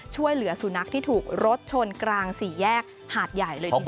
ช่วยเหลือสุนัขที่ถูกรถชนกลางสี่แยกหาดใหญ่เลยทีเดียว